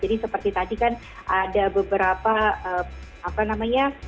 jadi seperti tadi kan ada beberapa apa namanya